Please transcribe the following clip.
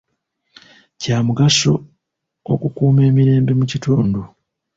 Kya mugaso okukuuma emirembe mu kitundu.